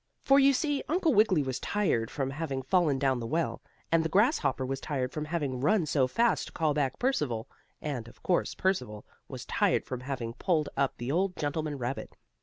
For you see Uncle Wiggily was tired from having fallen down the well, and the grasshopper was tired from having run so fast to call back Percival, and of course Percival was tired from having pulled up the old gentleman rabbit.